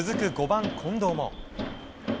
５番近藤も。